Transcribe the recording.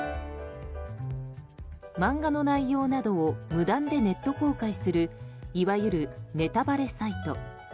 漫画の内容などを無断でネット公開するいわゆるネタバレサイト。